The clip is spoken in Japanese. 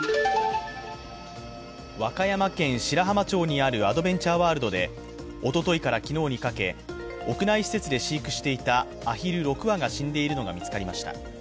和歌山県白浜町にあるアドベンチャーワールドで、おとといから昨日にかけ、屋内施設で飼育していたアヒル６羽が死んでいるのが見つかりました。